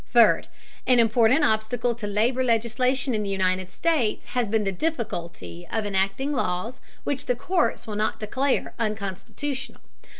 Third, an important obstacle to labor legislation in the United States has been the difficulty of enacting laws which the courts will not declare unconstitutional.